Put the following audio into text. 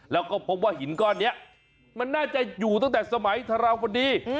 แล้วก็พบว่าหินก้อนนี้มันน่าจะอยู่ตั้งแต่สมัยธราวพอดี